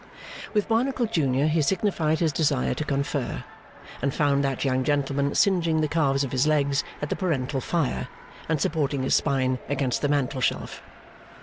With Barnacle junior, he signified his desire to confer; and found that young gentleman singeing the calves of his legs at the parental fire, and supporting his spine against the mantel shelf.